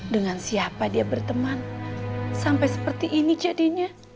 dengan siapa dia berteman sampai seperti ini jadinya